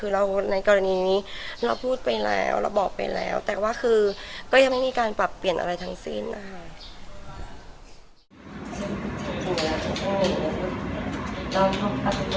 แล้วระบอบไปแล้วแต่ว่าคือก็ยังไม่มีการปรับเปลี่ยนอะไรทั้งสิ้นนะค่ะ